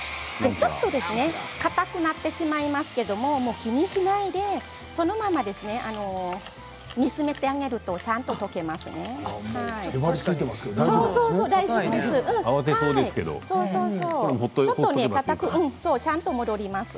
ちょっとかたくなってしまいますけれど気にしないで、このまま煮詰めてあげるとさっと溶けていきます。